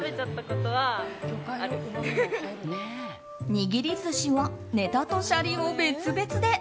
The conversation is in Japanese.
握り寿司はネタとシャリを別々で。